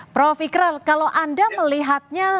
prof ikral kalau anda melihatnya